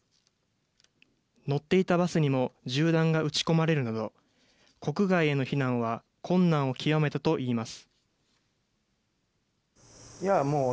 乗っていたバスにも銃弾が撃ち込まれるなど、国外への避難は困難を極めたといいます。